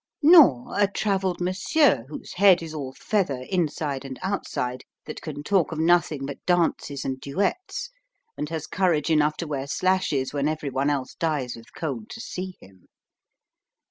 Nor a travelled Monsieur whose head is all feather inside and outside, that can talk of nothing but dances and duets, and has courage enough to wear slashes when every one else dies with cold to see him.